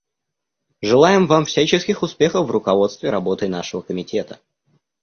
Желаем Вам всяческих успехов в руководстве работой нашего Комитета.